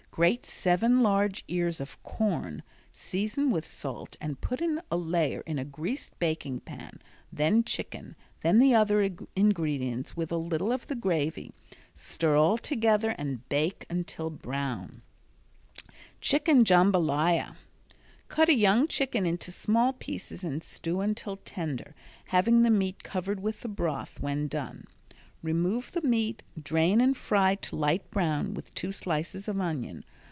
Grate seven large ears of corn, season with salt and put a layer in a greased baking pan, then chicken, then the other ingredients, with a little of the gravy. Stir all together and bake until brown. Chicken Jambalaya Cut a young chicken into small pieces and stew until tender, having the meat covered with the broth when done. Remove the meat, drain and fry to light brown with two slices of onion.